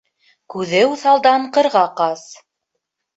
Күҙе уҫалдан ҡырға ҡас.